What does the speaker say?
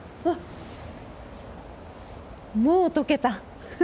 もう溶けた！